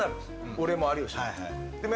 俺も有吉も。